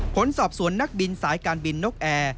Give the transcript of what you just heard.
ผลสอบสวนนักบินสายการบินนกแอร์